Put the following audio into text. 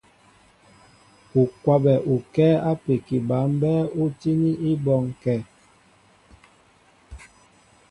U kwabɛ ukɛ́ɛ́ ápeki ba mbɛ́ɛ́ ú tíní í bɔ́ŋkɛ̄.